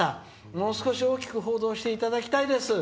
もう少し大きく報道していただきたいです」。